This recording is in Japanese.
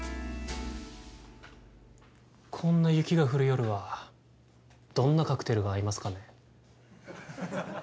こんな雪が降る夜はどんなカクテルが合いますかね？